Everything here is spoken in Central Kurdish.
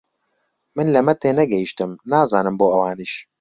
من لەمە تێنەگەیشتم، نازانم بۆ ئەوانیش